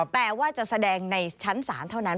แต่ว่าจะแสดงในชั้นศาลเท่านั้น